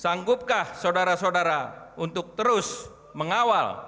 sanggupkah saudara saudara untuk terus mengawal